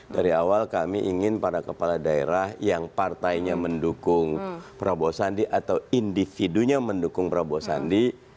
dari awal kami ingin para kepala daerah yang partainya mendukung prabowo sandi atau individunya mendukung prabowo sandi